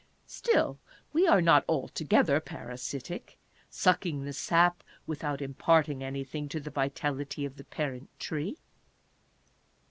Still, we are not altogether parasitic, sucking the sap without imparting anything to the vitality of the parent tree.